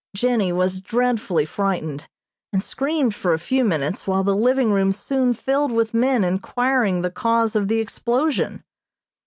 Jennie was dreadfully frightened, and screamed for a few minutes, while the living room soon filled with men inquiring the cause of the explosion.